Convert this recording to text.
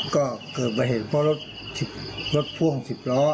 ก็เกิดไปเห็นพวกรถพวง๑๐ล้อ